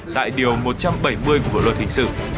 tại điều một trăm bảy mươi của luật hình sự